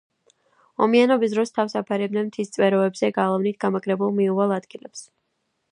ომიანობის დროს თავს აფარებდნენ მთის წვეროებზე გალავნით გამაგრებულ მიუვალ ადგილებს.